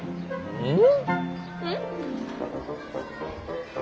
うん？